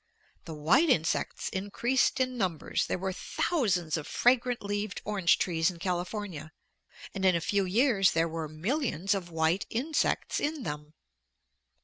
The white insects increased in numbers; there were thousands of fragrant leaved orange trees in California, and in a few years there were millions of white insects in them.